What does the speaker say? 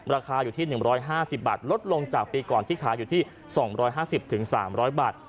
ราคาอยู่ที่หนึ่งร้อยห้าสิบบาทลดลงจากปีก่อนที่ขายอยู่ที่สองร้อยห้าสิบถึงสามร้อยบาท